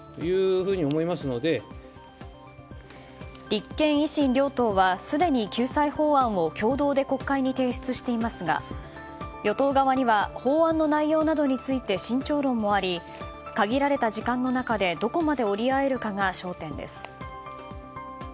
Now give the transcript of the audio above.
立憲・維新両党はすでに救済法案を共同で国会に提出していますが与党側には法案の内容などについて慎重論もあり限られた時間の中でどこまで折り合えるかが焦点です。